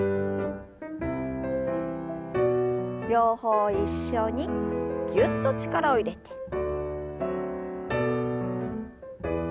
両方一緒にぎゅっと力を入れて。